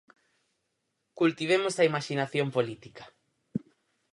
Cultivemos a imaxinación política.